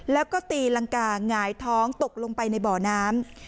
แล้วก็ตีรังกาหงายท้องตกลงไปในบ่อน้ำ